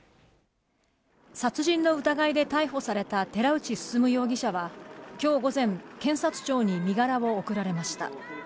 殺人の疑いで逮捕された寺内進容疑者は、きょう午前、検察庁に身柄を送られました。